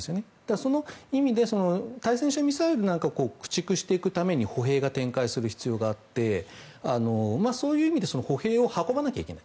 その意味で、対戦車ミサイルを駆逐していくために歩兵が展開する必要があってそういう意味で歩兵を運ばなければいけない。